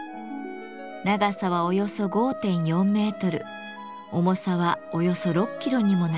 長さはおよそ５．４メートル重さはおよそ６キロにもなります。